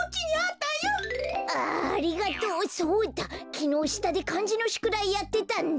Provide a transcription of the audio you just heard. きのうしたでかんじのしゅくだいやってたんだ！